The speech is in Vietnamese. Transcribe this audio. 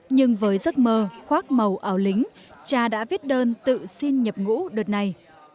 nhưng với giấc mơ khoác màu ảo lính cha đã viết đơn tự xin nhập ngũ đợt này